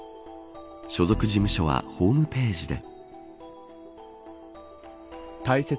所属事務所はホームページで。